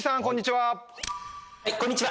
はいこんにちは